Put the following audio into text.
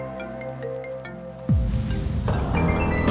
sih dan mungkin